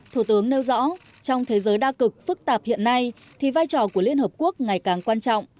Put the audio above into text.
thủ tướng nêu rõ trong thế giới đa cực phức tạp hiện nay thì vai trò của liên hợp quốc ngày càng quan trọng